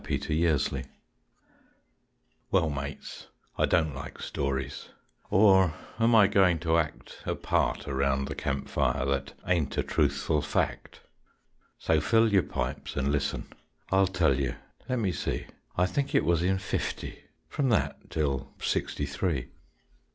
CALIFORNIA JOE Well, mates, I don't like stories; Or am I going to act A part around the campfire That ain't a truthful fact? So fill your pipes and listen, I'll tell you let me see I think it was in fifty, From that till sixty three.